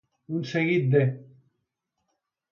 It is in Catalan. Un seguit de.